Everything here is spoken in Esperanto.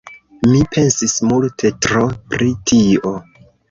Mi pensis multe tro pri tio.